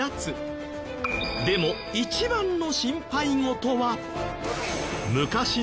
でも一番の心配事は。